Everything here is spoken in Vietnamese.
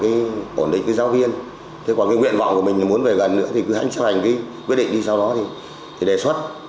thế còn cái nguyện vọng của mình là muốn về gần nữa thì cứ hãy chấp hành cái quyết định đi sau đó thì đề xuất